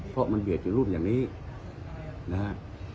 เพราะมันเบียดอยู่รุ่นอย่างนี้นะฮะ